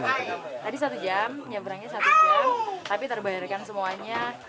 tadi satu jam nyebrangnya satu jam tapi terbayarkan semuanya